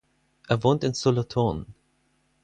Er wohnt in Solothurn.